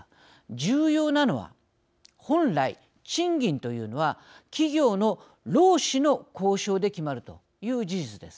重要なのは本来、賃金というのは企業の労使の交渉で決まるという事実です。